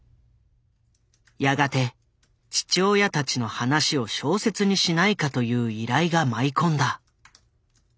やがて父親たちの話を小説にしないかという依頼が舞い込んだ。